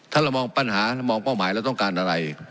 ถ้าเรามองปัญหาเรามองเป้าหมายเราต้องการอะไร